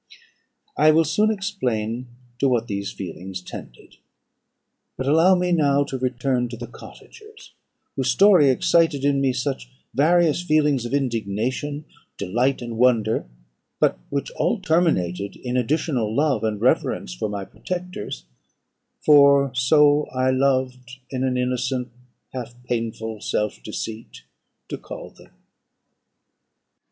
"I will soon explain to what these feelings tended; but allow me now to return to the cottagers, whose story excited in me such various feelings of indignation, delight, and wonder, but which all terminated in additional love and reverence for my protectors (for so I loved, in an innocent, half painful self deceit, to call them)."